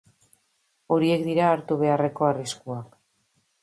Horiek dira hartu beharreko arriskuak.